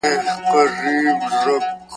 څه دولت به هم ترلاسه په ریشتیا کړې `